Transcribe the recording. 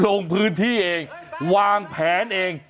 ลงพื้นที่เองวางแผนเอง